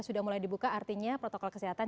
sudah mulai dibuka artinya protokol kesehatan